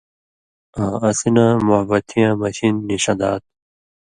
آں اَسی نہ مُوحبَتِیاں مَشِین نِی سَن٘دا تُھو